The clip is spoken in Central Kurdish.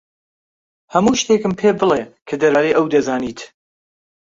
هەموو شتێکم پێ بڵێ کە دەربارەی ئەو دەزانیت.